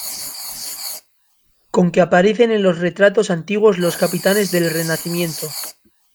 con que aparecen en los retratos antiguos los capitanes del Renacimiento: